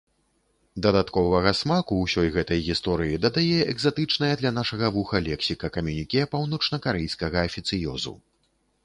Дадатковага смаку ўсёй гэтай гісторыі дадае экзатычная для нашага вуха лексіка камюніке паўночнакарэйскага афіцыёзу.